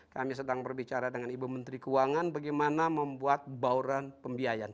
kami sedang berbicara dengan ibu menteri keuangan bagaimana membuat bauran pembiayaan